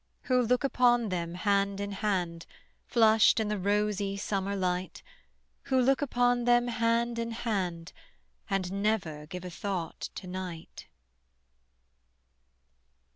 Who look upon them hand in hand Flushed in the rosy summer light; Who look upon them hand in hand And never give a thought to night.